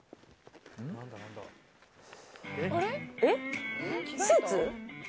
えっ？